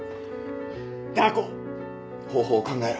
ダー子方法を考えろ。